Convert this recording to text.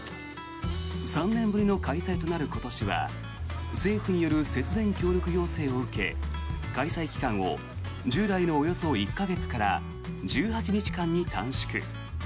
３年ぶりの開催となる今年は政府による節電協力要請を受け開催期間を従来のおよそ１か月から１８日間に短縮。